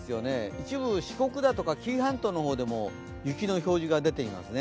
一部、四国だとか紀伊半島でも雪の表示が出ていますね。